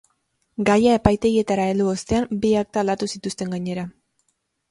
Gaia epategietara heldu ostean, bi akta aldatu zituzten gainera.